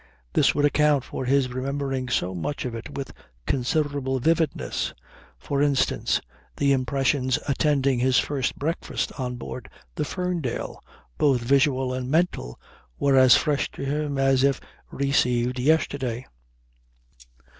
This would account for his remembering so much of it with considerable vividness. For instance, the impressions attending his first breakfast on board the Ferndale, both visual and mental, were as fresh to him as if received yesterday.